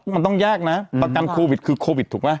มันต้องแยกนะประกันโควิดคือโควิดถูกไหม